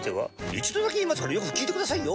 一度だけ言いますからよく聞いてくださいよ。